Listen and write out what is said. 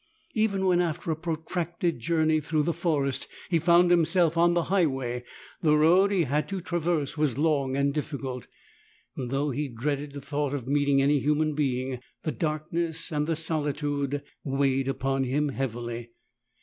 Even when after a protracted journey through the forest he found himself on the highway, the road he had to traverse was long and difficult. Though he dreaded the thought of meeting any human being, the darkness and the solitude weighed upon him heavily.